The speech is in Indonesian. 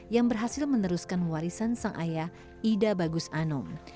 yang berhasil meneruskan warisan sang ayah ida bagus anom